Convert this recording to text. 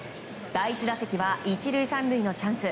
第１打席は１塁３塁のチャンス。